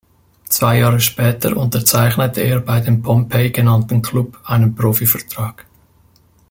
Zwei Jahre später unterzeichnete er bei dem „Pompey“ genannten Klub einen Profivertrag.